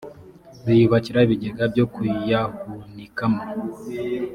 biyubakira ibigega byo kuyahunikamo